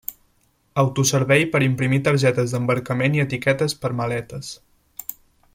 Autoservei per a imprimir targetes d'embarcament i etiquetes per a maletes.